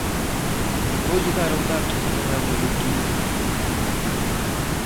Voulle dar un dato que non é moi utilizado.